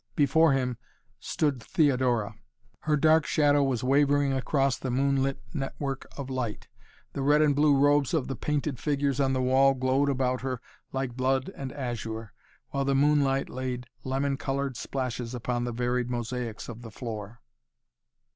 Before him stood Theodora. Her dark shadow was wavering across the moonlit network of light. The red and blue robes of the painted figures on the wall glowed about her like blood and azure, while the moonlight laid lemon colored splashes upon the varied mosaics of the floor.